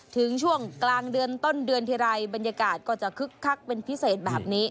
ถึงช่วงกลางเดือนต้นเดือนทีไรบรรยากาศก็จะคึกคักเป็นพิเศษแบบนี้